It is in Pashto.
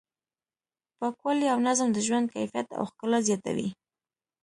پاکوالی او نظم د ژوند کیفیت او ښکلا زیاتوي.